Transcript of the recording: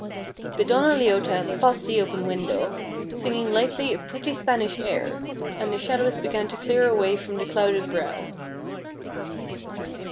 The Donna Leota passed the open window, singing lightly a pretty Spanish air, and the shadows began to clear away from the clouded brow.